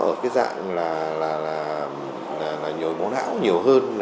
ở cái dạng là nhồi máu não nhiều hơn